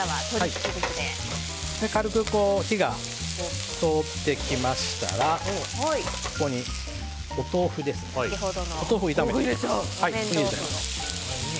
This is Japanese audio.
軽く火が通ってきましたらここにお豆腐を炒めていきます。